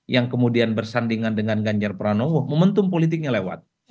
yang kemudian bersandingan dengan ganjar pranowo momentum politiknya lewat